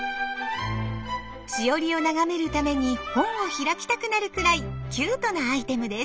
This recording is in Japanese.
しおりを眺めるために本を開きたくなるくらいキュートなアイテムです。